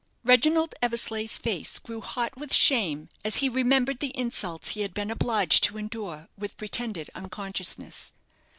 Reginald Eversleigh's face grew hot with shame as he remembered the insults he had been obliged to endure with pretended unconsciousness.